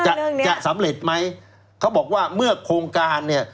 จะจะสำเร็จไหมเขาบอกว่าเมื่อโครงการเนี่ย